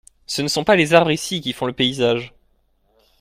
Ce ne sont pas les arbres ici qui font le paysage.